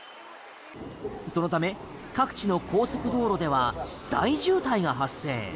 そのため各地の高速道路では大渋滞が発生。